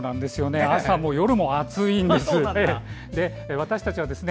朝も夜も熱いんです。